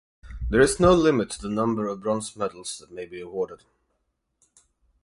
There is no limit to the number of bronze medals that may be awarded.